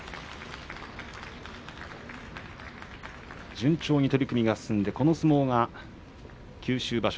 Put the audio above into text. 順調に取組が進んでこの相撲が九州場所